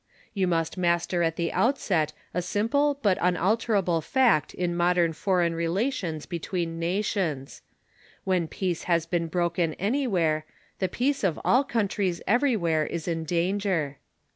You must master at the outset a simple but unalterable fact in modern foreign relations between nations. When peace has been broken anywhere, the peace of all countries everywhere is in danger.